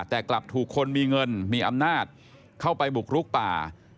แต่กลับถูกคนมีเงินมีอำนาจเข้าไปบุกรุกป่า